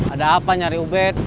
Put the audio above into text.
ada apa nyari ubed